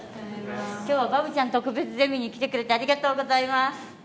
今日はバムちゃん特別ゼミに来てくれてありがとうございます！